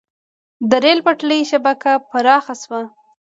د ریل پټلۍ شبکه پراخه شوه.